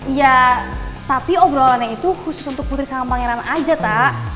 ya tapi obrolannya itu khusus untuk putri sama pangeran aja tak